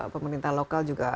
pemerintah lokal juga